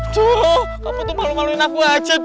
tuh kamu tuh malu maluin aku aja deh